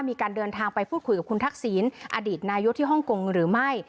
มีการเดินทางไปพูดคุยกับคุณทักษิณอดีตนายกที่ฮ่องกงหรือไม่